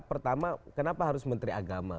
pertama kenapa harus menteri agama